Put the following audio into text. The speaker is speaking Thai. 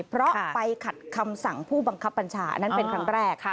เพราะไปขัดคำสั่งผู้บังคับบัญชาอันนั้นเป็นครั้งแรก